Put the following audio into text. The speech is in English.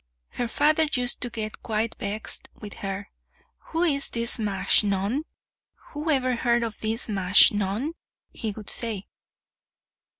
Her father used to get quite vexed with her. "Who is this Majnun? who ever heard of this Majnun?" he would say.